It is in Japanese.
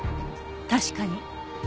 確かに。